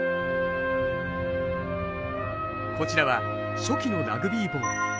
こちらは初期のラグビーボール。